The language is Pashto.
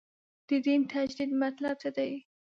د دین تجدید مطلب څه دی.